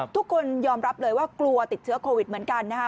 ทุกคนยอมรับเลยว่ากลัวติดเชื้อโควิดเหมือนกันนะคะ